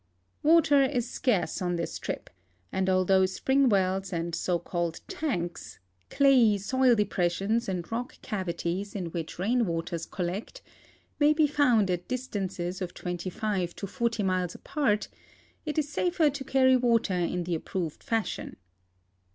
Water is scarce on this trip, and although spring wells and so called tanks — clayey soil depressions and rock cavities in which rain waters collect — ma}^ be found at distances of 25 to 40 miles apart, it is safer to carry water in the approved fashion.